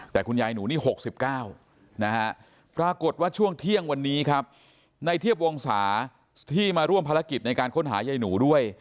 แต่คุณยายหนูนี่๖๙นะฮะปรากฏว่าช่วงเที่ยงวันนี้ครับในเทียบวงศาที่มาร่วมภารกิจในการค้นหายายหนูด้วย